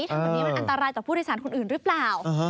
ทำแบบนี้มันอันตรายจากภูติศาสตร์คนอื่นรึเปล่า